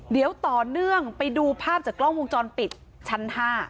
เดี๋ยวต่อเนื่องไปดูภาพจากกล้องวงจรปิดชั้น๕